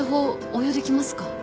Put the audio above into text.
応用できますか？